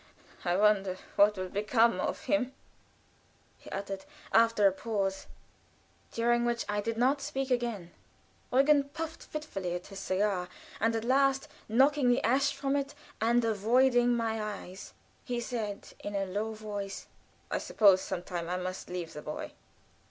I wonder what will become of him," he uttered, after a pause, during which I did not speak again. Eugen puffed fitfully at his cigar, and at last knocking the ash from it and avoiding my eyes, he said, in a low voice: "I suppose some time I must leave the boy."